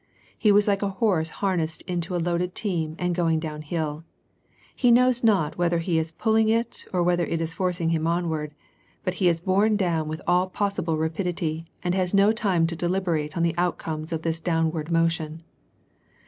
He was like a horse harnessed into a loaded team and going down hill. He knows not whether he is pulling it or whether it is forcing him onward ; but he is borne down with all possible rapidity, and has no time to deliberate on the outcome of this down ward motion.